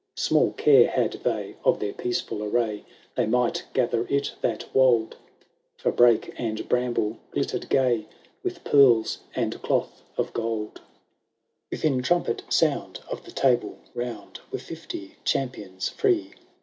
Small care had they of their peaceful arrfty, They might gather it that wolde ; For brake and brunble glitterM gay. With pearls and doth of gold. XVII. ^ Witiiin trumpet sound of the Table Round Were fifty champions free.